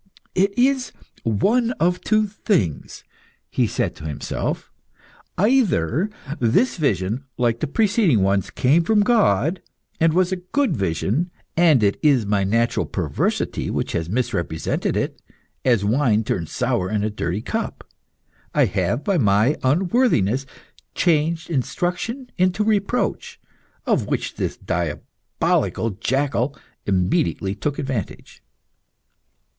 "It is one of two things," he said to himself; "either this vision, like the preceding ones, came from God, and was a good vision, and it is my natural perversity which has misrepresented it, as wine turns sour in a dirty cup. I have, by my unworthiness, changed instruction into reproach, of which this diabolical jackal immediately took advantage.